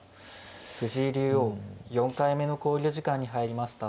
藤井竜王４回目の考慮時間に入りました。